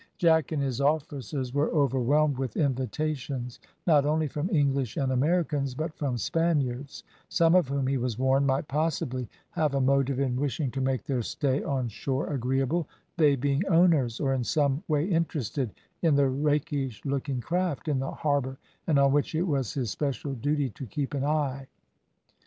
Jack and his officers were overwhelmed with invitations, not only from English and Americans, but from Spaniards, some of whom, he was warned, might possibly have a motive in wishing to make their stay on shore agreeable, they being owners, or in some way interested in the rakish looking craft in the harbour, and on which it was his special duty to keep an eye.